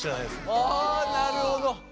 あなるほど。